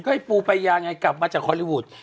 ก็ไอ้ปูไปยังไงกลับมาจากคอลลี่วูด